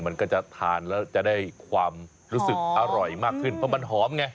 มันก็จะทานแล้วจะได้ความรู้สึกอร่อยมากขึ้นเพราะมันหอมไง